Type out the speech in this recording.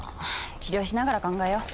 治療しながら考えよう。